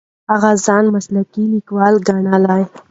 هغه ځان مسلکي لیکواله ګڼله.